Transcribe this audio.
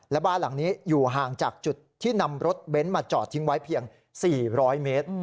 และบ้านหลังนี้อยู่ห่างจากจุดที่นำรถเบ้นมาจอดทิ้งไว้เพียง๔๐๐เมตร